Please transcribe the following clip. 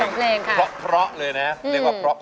เพลงที่เจ็ดเพลงที่แปดแล้วมันจะบีบหัวใจมากกว่านี้